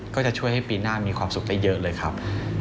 ก็จะช่วยให้ปีหน้ามีความสุขได้เยอะเลยครับ